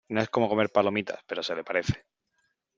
no es como comer palomitas , pero se le parece .